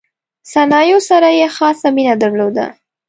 صنایعو سره یې خاصه مینه درلوده.